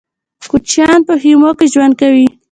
کوچيان په خيمو کې ژوند کوي.